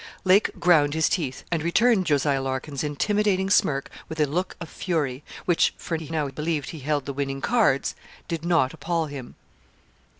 Lake ground his teeth, and returned Jos. Larkin's intimidating smirk with a look of fury, which for he now believed he held the winning cards did not appal him.